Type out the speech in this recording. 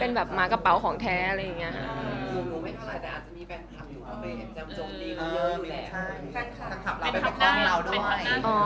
เป็นแบบหมากระเป๋าของแท้อะไรอย่างเงี้ย